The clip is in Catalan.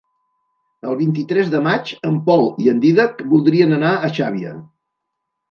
El vint-i-tres de maig en Pol i en Dídac voldrien anar a Xàbia.